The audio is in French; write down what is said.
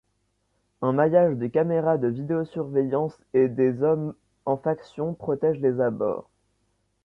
Un maillage de caméras de vidéosurveillance et des hommes en faction protègent les abords.